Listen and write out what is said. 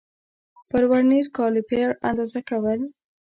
پر ورنیر کالیپر اندازه کول